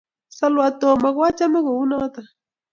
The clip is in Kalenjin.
solwo Tom ako achame kou noto